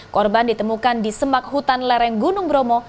korban ditemukan di semak hutan lereng gunung bromo